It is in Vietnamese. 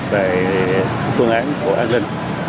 về phương án của an ninh